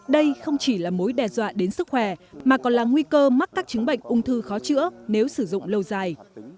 đây không chỉ là mối đe dọa đến sức khỏe mà còn là nguy cơ mắc các chứng bệnh ung thư khó chữa nếu sử dụng lâu dài